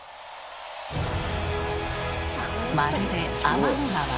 まるで天の川。